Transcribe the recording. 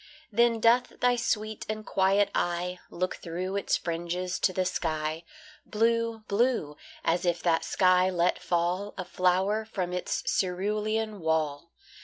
Then doth thy sweet and quiet eye Look through its fringes to the sky, Blue blue as if that sky let fall A flower from its cerulean wall.